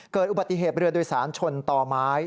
เกิดอุบัติเหตุเรือโดยสารชนต่อไม้